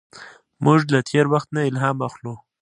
موږ له تېر وخت نه الهام اخلو.